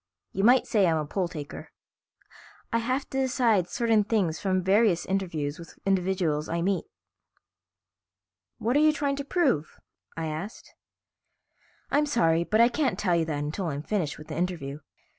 "You might say I'm a poll taker. I have to decide certain things from various interviews with individuals I meet." "What are you trying to prove?" I asked. "I'm sorry, but I can't tell you that until I'm finished with the interview.